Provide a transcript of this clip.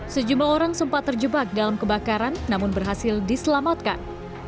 sejumlah orang sempat terjebak dalam kebakaran namun berhasil diselamatkan